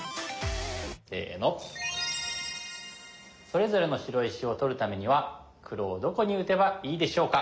それぞれの白石を取るためには黒をどこに打てばいいでしょうか？